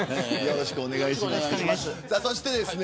よろしくお願いします。